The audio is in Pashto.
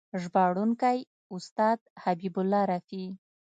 ژباړونکی: استاد حبیب الله رفیع